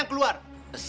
keluar dulu ya